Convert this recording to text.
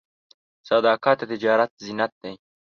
صداقت د تجارت زینت دی.